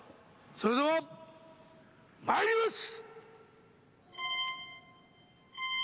それではまいります！